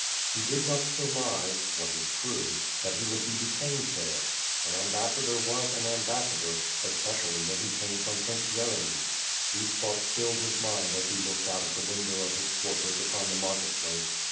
He did not surmise (what is true) that he would be de tained there. An ambassador was an ambassador, especially when he came from Prince Yeremy. These thoughts filled his mind as he looked out of the window of his quarters upon the market place.